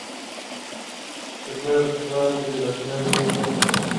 Se puede observar desde la ciudad de Huesca.